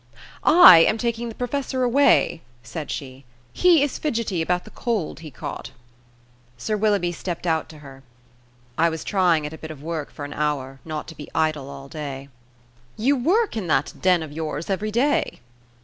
"I am taking the Professor away," said she; "he is fidgety about the cold he caught." Sir Willoughby stepped out to her. "I was trying at a bit of work for an hour, not to be idle all day." "You work in that den of yours every day?"